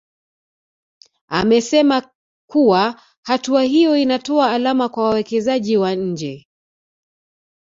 Amesema kuwa hatua hiyo inatoa alama kwa wawekezaji wa nje